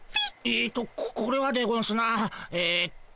えっとこれはでゴンスなえっと。